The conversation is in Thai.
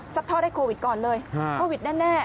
ทอดให้โควิดก่อนเลยโควิดแน่